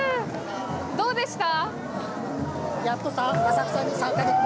どうでした？